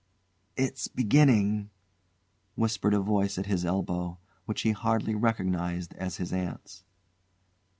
"It's beginning," whispered a voice at his elbow which he hardly recognised as his aunt's.